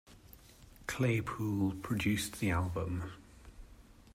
Claypool produced the album.